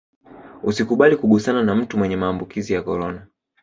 usikubali kugusana na mtu mwenye maambukizi ya korona